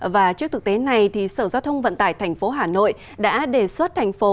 và trước thực tế này sở giao thông vận tải tp hà nội đã đề xuất thành phố